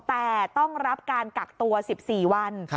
แต่ต้องรับการกักตัว๑๔วัน